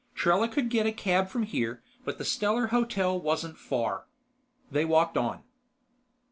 Trella could get a cab from here, but the Stellar Hotel wasn't far. They walked on.